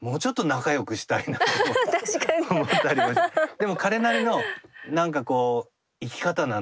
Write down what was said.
でも彼なりのなんかこう生き方なんだよね。